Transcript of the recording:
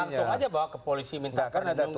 langsung aja bawa ke polisi minta perlindungan